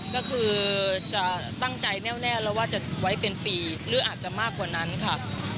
ก็คือจะตั้งใจแน่วแล้วว่าจะไว้เป็นปีหรืออาจจะมากกว่านั้นค่ะ